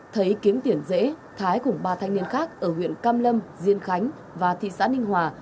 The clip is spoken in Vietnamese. thấy kiếm tiền dễ thái cùng ba thanh niên khác ở huyện cam lâm diên khánh và thị xã ninh hòa